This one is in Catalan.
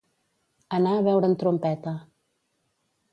Anar a veure en Trompeta.